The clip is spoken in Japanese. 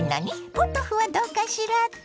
ポトフはどうかしらって？